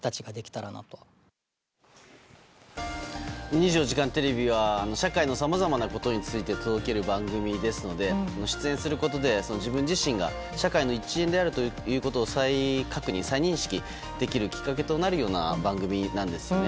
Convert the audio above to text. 「２４時間テレビ」は社会のさまざまなことについて届ける番組ですので出演することで自分自身が社会の一員であることを再認識できるきっかけとなる番組なんですよね。